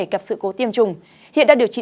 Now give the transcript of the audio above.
gặp sự cố tiêm chủng hiện đang điều trị